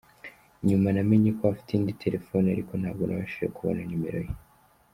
Nyuma namenye ko afite indi telefone, ariko ntabwo nabashije kubona nimero ye.